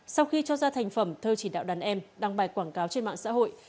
sau khi cho ra thành phẩm thơ chỉ đạo đàn em đăng bài quảng cáo trên mạng xã hội